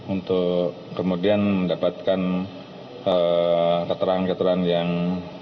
untuk kemudian mendapatkan keterangan keterangan yang